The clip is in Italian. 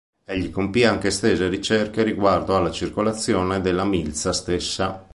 Egli compì anche estese ricerche riguardo alla circolazione della milza stessa.